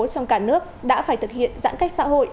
trong cả nước đã phải thực hiện giãn cách xã hội